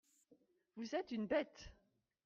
Vous êtes une bête !